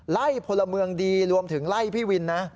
พลเมืองดีรวมถึงไล่พี่วินนะ